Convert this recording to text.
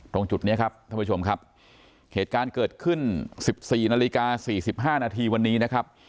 ตรงจุดนี้ครับท่านผู้ชมครับเหตุการณ์เกิดขึ้น๑๔นาฬิกา๔๕นาทีวันนี้นะครับ